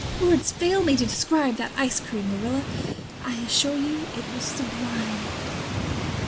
Words fail me to describe that ice cream. Marilla, I assure you it was sublime."